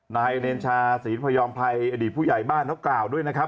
นายเนรชาศรีพยอมภัยอดีตผู้ใหญ่บ้านเขากล่าวด้วยนะครับ